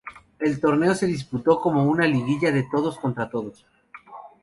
El torneo se disputó como una liguilla de todos contra todos.